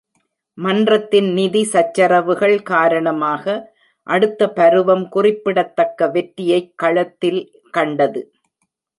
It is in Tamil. மன்றத்தின் நிதி சச்சரவுகள் காரணமாக, அடுத்த பருவம் குறிப்பிடத்தக்க வெற்றியைக் களத்தில் கண்டது.